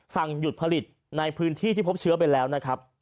สั่งหยุดผลิตในพื้นที่ที่พบเชื้อไปแล้วนะครับ